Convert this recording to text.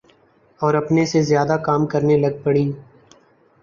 اوراپنے سے زیادہ کام کرنے لگ پڑیں۔